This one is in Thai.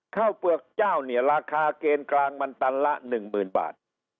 เปลือกเจ้าเนี่ยราคาเกณฑ์กลางมันตันละ๑๐๐๐บาท